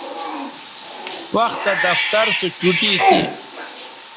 وختہ دفتر سو چوٹی تھی